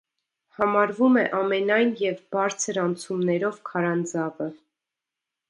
Համարվում է ամենայն և բարձր անցումներով քարանձավը։